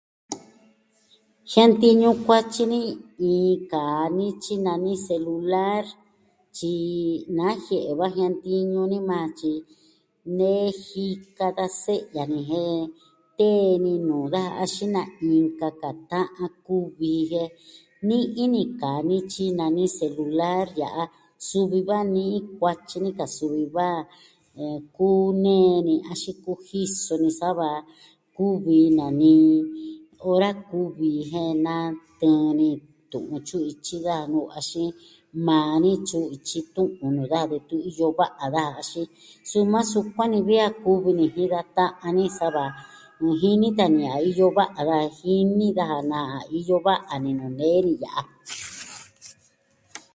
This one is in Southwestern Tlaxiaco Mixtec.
Jiantiñu kuatyi ni iin kaa nityi nani selular. Tyi najie'e va jiantiñu ni ma, tyi nee jika da se'ya ni jen tee ni nuu daja axin na inka ka ta'an kuvi ji jen ni'i ni kaa nityi nani selular ya'a suvi va ni'i kuatyi ni ka suvi va, eh, kunee ni, axin kujiso ni sa va kuvi nani ora kuvi jen natɨɨn ni tu'un tyu'un ityi da nuu axin maa ni tyu'un ityi tu'un nuu daja ve tun iyo kua'a daja. Axin suu maa sukuan ni vi a kuvi ni jinm da ta'an ni sa va nuu jini tan ni a iyo va'a daja, jini daja na'a iyo va'a ni nuu nee ni ya'a.